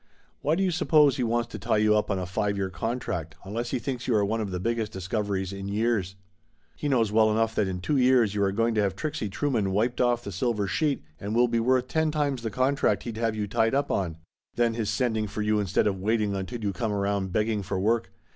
Why do you suppose he wants to tie you up on a five year contract, unless he thinks you are one of the biggest discoveries in years ? He knows well enough that in two years you are go ing to have Trixie Trueman wiped off the silver sheet and will be worth ten times the contract he'd have you tied up on ! Then his sending for you instead of wait ing until you come around begging for work!